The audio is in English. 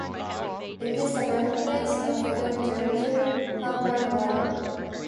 It is the birthplace of film director Humberto Mauro.